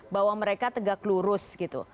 bahwa mereka tegak lurus